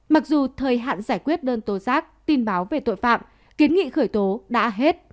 mặc dù thời hạn giải quyết đơn tố giác tin báo về tội phạm kiến nghị khởi tố đã hết